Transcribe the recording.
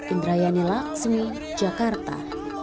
indrayani lakshmi jakarta